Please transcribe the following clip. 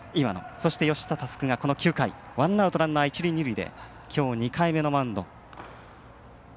そして、吉田佑久がワンアウト、ランナー一塁二塁できょう２回目のマウンド。